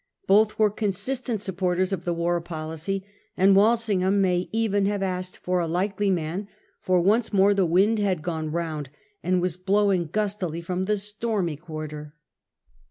Both were consistent supporters of the war policy, and Walsingham may even have asked for a likely man ; for once more the wind had gone round and was blowing gustily from the stormy quarter.